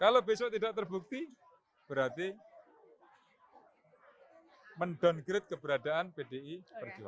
kalau tidak terbukti berarti mendowngrade keberadaan pdi seperti itu